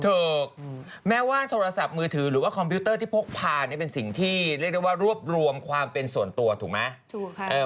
ถูกแม้ว่าโทรศัพท์มือถือหรือว่าคอมพิวเตอร์ที่พกพานี่เป็นสิ่งที่เรียกได้ว่ารวบรวมความเป็นส่วนตัวถูกไหมถูกค่ะ